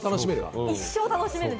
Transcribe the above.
一生楽しめるわ。